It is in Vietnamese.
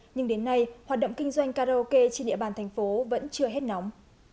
nhưng đến nay hoạt động kinh doanh karaoke trên địa bàn thành phố vẫn chưa hết nóng